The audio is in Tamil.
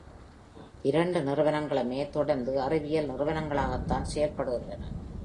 இரண்டு நிறுவனங்களுமே தொடர்ந்து அறிவியல் நிறுவனங்களாகத்தான் செயல்படுகின்றன.